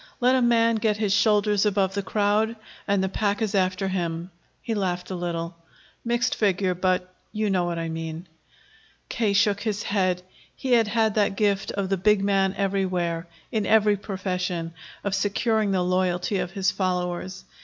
Let a man get his shoulders above the crowd, and the pack is after him." He laughed a little. "Mixed figure, but you know what I mean." K. shook his head. He had had that gift of the big man everywhere, in every profession, of securing the loyalty of his followers.